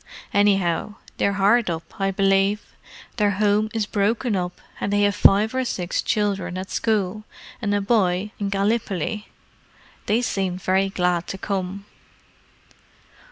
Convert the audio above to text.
Anyhow, they're hard up, I believe; their home is broken up and they have five or six children at school, and a boy in Gallipoli. They seemed very glad to come."